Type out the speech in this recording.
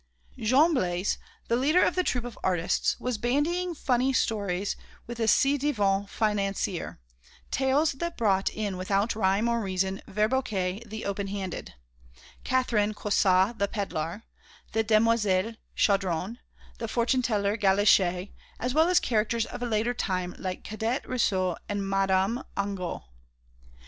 Jean Blaise, the leader of the troop of artists, was bandying funny stories with the ci devant financier, tales that brought in without rhyme or reason Verboquet the Open handed, Catherine Cuissot the pedlar, the demoiselles Chaudron, the fortune teller Galichet, as well as characters of a later time like Cadet Rousselle and Madame Angot.